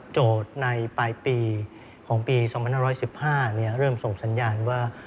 ในปลายปีของปี๒๕๑๕เริ่มส่งสัญญาณว่า